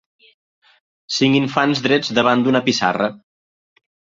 Cinc infants drets davant d'una pissarra.